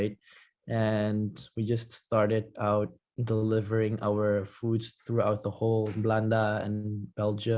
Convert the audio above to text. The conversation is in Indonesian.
dan kita baru saja mulai menguji makanan kita di seluruh belanda dan belgia